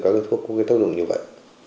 các cái thuốc có cái thông dụng như vậy